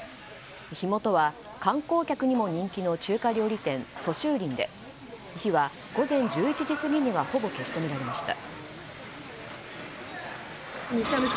火元は、観光客にも人気の中華料理店蘇州林で火は午前１１時過ぎにはほぼ消し止められました。